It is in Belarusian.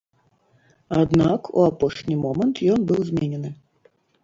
Аднак у апошні момант ён быў зменены.